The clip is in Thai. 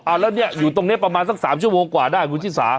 แล้วเนี่ยอยู่ตรงนี้ประมาณสัก๓ชั่วโมงกว่าได้คุณชิสา